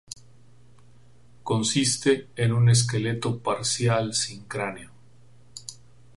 Consiste en un esqueleto parcial sin cráneo.